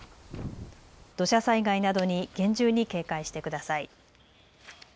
土砂災害などに厳重に警戒してください。